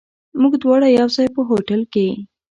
موږ دواړه یو ځای، په هوټل کې.